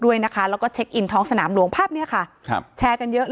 ด้วยนะคะแล้วก็เช็คอินท้องสนามหลวงภาพเนี้ยค่ะครับแชร์กันเยอะ